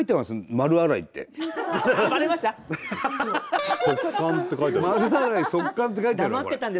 「丸洗い」「速乾」って書いてあるこれ。